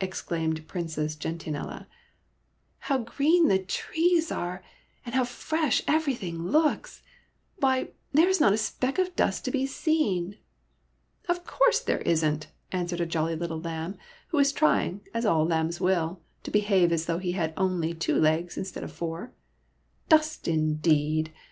exclaimed Princess Gentianella. " How green the trees SOMEBODY ELSE'S PRINCE 89 are, and how fresh everything looks ! Why, there is not a speck of dust to be seen." " Of course there is n't," answered a jolly little lamb, who was trying, as lambs will, to behave as though he had only two legs instead of four. '' Dust, indeed